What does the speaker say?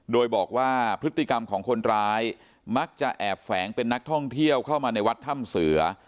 โดยบอกว่าพฤติกรรมของคนร้ายมักจะแอบแฝงเป็นนักท่องเที่ยวเข้ามาในวัดถ้ำเสือ